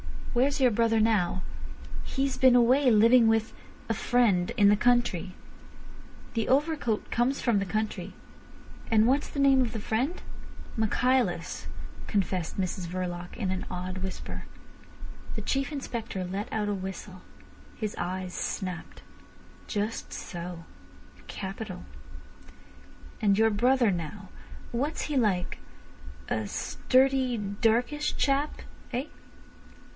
"Where's your brother now?" "He's been away living with—a friend—in the country." "The overcoat comes from the country. And what's the name of the friend?" "Michaelis," confessed Mrs Verloc in an awed whisper. The Chief Inspector let out a whistle. His eyes snapped. "Just so. Capital. And your brother now, what's he like—a sturdy, darkish chap—eh?"